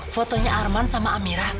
fotonya arman sama aminah